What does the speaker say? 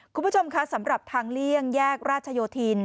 คุณผู้ชมคะสำหรับทางเลี่ยงแยกราชโยธิน